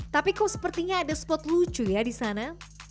tapi kok sepertinya ada spot lucu ya di sana